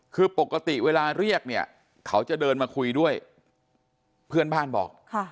คือปกติเวลาเรียกเนี่ยเขาจะเดินมาคุยด้วยเพื่อนบ้านบอก